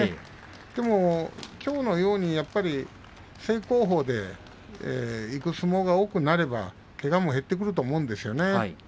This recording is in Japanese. でもきょうのように正攻法でいく相撲が多くなればけがも減ってくると思うんですよね。